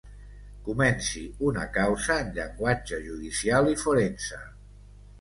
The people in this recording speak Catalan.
Comenci una causa en llenguatge judicial i forense.